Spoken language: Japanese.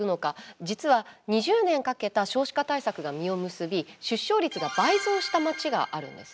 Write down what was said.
実は２０年かけた少子化対策が実を結び出生率が倍増した町があるんですね。